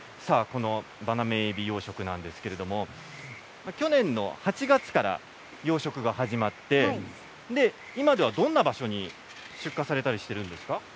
バナメイエビ養殖なんですけれども去年の８月から養殖が始まって今ではどんな場所に出荷されたりしているんですか。